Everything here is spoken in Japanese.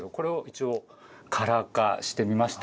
カラー化してみました。